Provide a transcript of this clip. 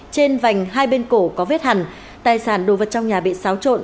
trên vành hai bên cổ có vết hẳn tài sản đồ vật trong nhà bị xáo trộn